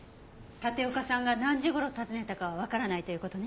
立岡さんが何時頃訪ねたかはわからないという事ね。